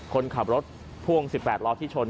คนขับรถพ่วง๑๘ล้อที่ชน